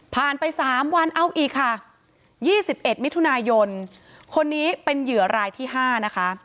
ไป๓วันเอาอีกค่ะ๒๑มิถุนายนคนนี้เป็นเหยื่อรายที่๕นะคะ